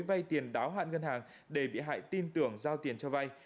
vay tiền đáo hạn ngân hàng để bị hại tin tưởng giao tiền cho vay